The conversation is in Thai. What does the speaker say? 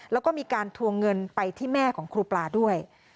แล้วก็มีการทวงเงินไปที่แม่ของครูปลาด้วย